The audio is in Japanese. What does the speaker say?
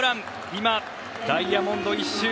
今、ダイヤモンドを１周。